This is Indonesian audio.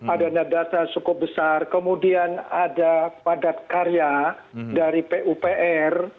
ada dana desa cukup besar kemudian ada padat karya dari pupr